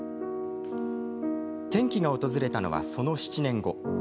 転機が訪れたのは、その７年後。